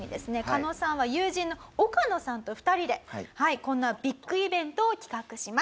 カノさんは友人のオカノさんと２人でこんなビッグイベントを企画します。